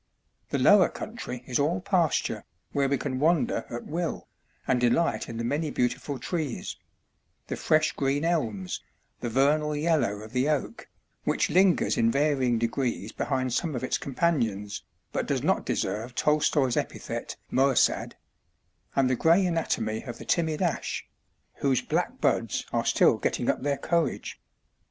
The lower country is all pasture, where we can wander at will, and delight in the many beautiful trees: the fresh green elms, the vernal yellow of the oak (which lingers in varying degrees behind some of its companions, but does not deserve TolstoyŌĆÖs epithet ŌĆśmaussadeŌĆÖ), and the grey anatomy of the timid ash, whose black buds are still getting up their courage.